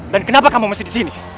dan kenapa kamu masih disini